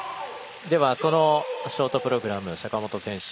では、そのショートプログラム坂本選手